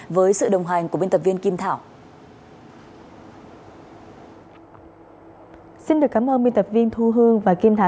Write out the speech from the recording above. với sự đồng hành của biên tập viên kinh tế